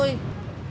terusin aja sendiri